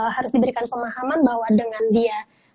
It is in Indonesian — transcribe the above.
harus diberikan pemahaman bahwa dengan dia